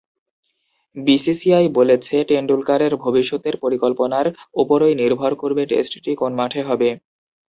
BCCI বলেছে, টেন্ডুলকারের ভবিষ্যতের পরিকল্পনার ওপরই নির্ভর করবে টেস্টটি কোন মাঠে হবে।